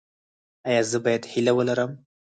ایا زه باید هیله ولرم؟